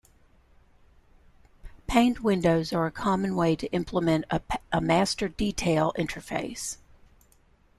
Paned windows are a common way to implement a master-detail interface.